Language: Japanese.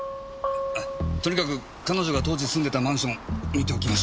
とにかく彼女が当時住んでたマンション見ておきましょうか。